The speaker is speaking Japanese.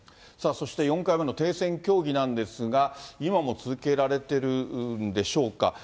さあ、そして４回目の停戦協議なんですが、今も続けられているんでしょうか。